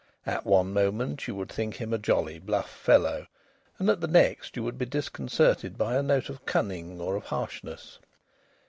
At one moment you would think him a jolly, bluff fellow, and at the next you would be disconcerted by a note of cunning or of harshness.